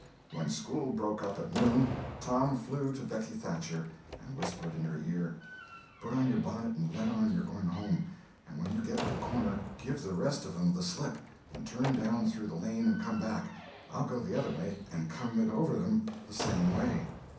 When school broke up at noon, Tom flew to Becky Thatcher, and whispered in her ear: "Put on your bonnet and let on you're going home; and when you get to the corner, give the rest of 'em the slip, and turn down through the lane and come back. I'll go the other way and come it over 'em the same way."